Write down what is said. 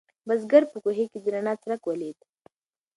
بزګر په کوهي کې د رڼا څرک ولید.